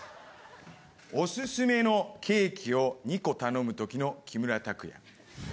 おススメのケーキを２個頼む時の木村拓哉。